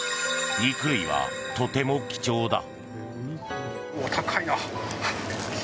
肉類はとても貴重だ。